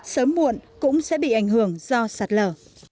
sớm muộn cũng sẽ bị ảnh hưởng do sạt lở